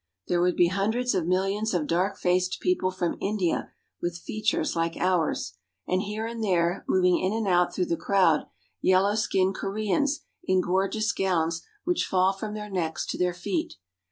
There would be hundreds of millions of dark faced people from India with features like ours ; and here and there, moving in and out through the crowd, yellow skinned Koreans in gorgeous gowns which fall from their necks to their feet.